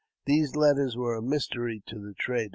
These letters were a mystery to the trader.